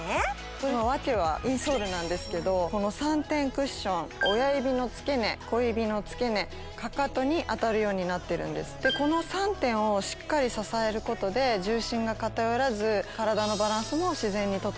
その訳はインソールなんですけどこの３点クッション親指の付け根小指の付け根かかとに当たるようになってるんですでこの３点をしっかり支えることで重心が偏らずえー